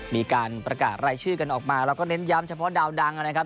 มีการประกาศรายชื่อกันออกมาแล้วก็เน้นย้ำเฉพาะดาวดังนะครับ